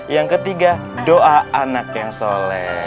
yang ketiga doa anak yang soleh